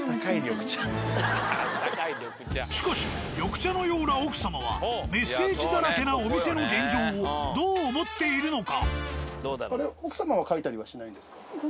しかし緑茶のような奥様はメッセージだらけなお店の現状をどう思っているのか？